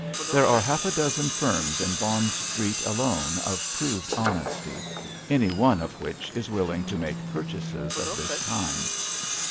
There are half a dozen firms in Bond Street alone, of proved honesty, any one of which is willing to make purchases of this kind.